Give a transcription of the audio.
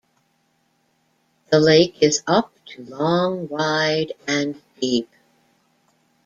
The lake is up to long, wide and deep.